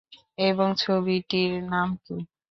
এবং ছবিটির নাম কী?